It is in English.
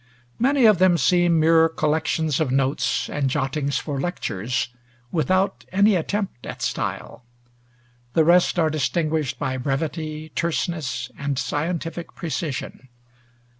Many of them seem mere collections of notes and jottings for lectures, without any attempt at style. The rest are distinguished by brevity, terseness, and scientific precision.